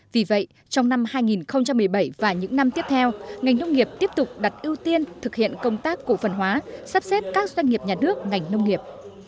vì vậy trong năm hai nghìn một mươi bảy và những năm tiếp theo ngành nông nghiệp tiếp tục đặt ưu tiên thực hiện công tác cổ phần hóa sắp xếp các doanh nghiệp nhà nước ngành nông nghiệp